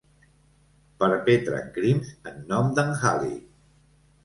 Perpetren crims en nom d'en Halley.